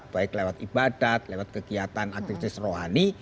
baik lewat ibadat lewat kegiatan aktivitas rohani